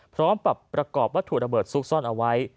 พร้อมปรับประกอบวัตถุระเบิดซุกซ่อนเอาไว้